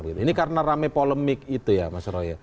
ini karena rame polemik itu ya mas roy